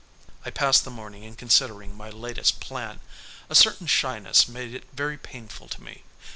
I passed the morning in considering my latest plan. A certain shyness made it very painful to me.